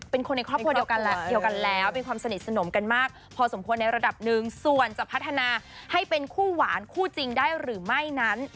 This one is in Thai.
พอสมควรในระดับหนึ่งส่วนจะพัฒนาให้เป็นคู่หวานคู่จริงได้หรือไม่นั้น